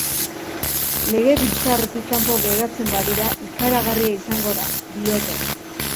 Legebiltzarretik kanpo geratzen badira, ikaragarria izango da, diote.